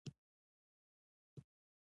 په دغو شعرونو کې خپلواکي څرګند شوي.